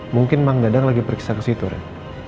mungkin mang dadang lagi periksa kesitu ren